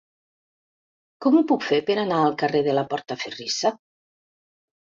Com ho puc fer per anar al carrer de la Portaferrissa?